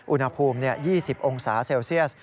อุณหภูมิ๒๐องศาเซลเซียส